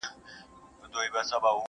چي له ډېري خاموشۍ یې غوغا خېژې.